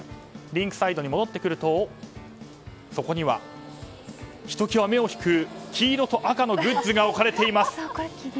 リンクサイドに戻ってくるとそこにはひときわ目を引く黄色と赤のグッズが置かれています。